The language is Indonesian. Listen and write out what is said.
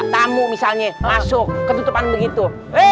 tamu misalnya masuk ketutupan begitu